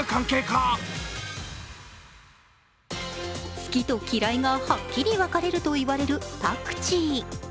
好きと嫌いがはっきり分かれると言われるパクチー。